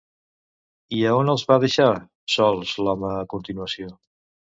I a on els va deixar sols l'home a continuació?